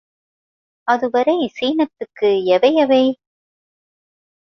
அதுவரை சீனத்துக்கு எவை எவை?